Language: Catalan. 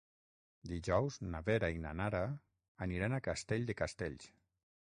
Dijous na Vera i na Nara aniran a Castell de Castells.